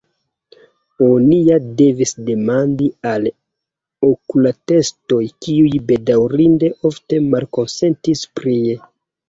Oni ja devis demandi al okulatestoj kiuj bedaŭrinde ofte malkonsentis prie.